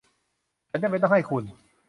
ฉันจำเป็นต้องให้คุณ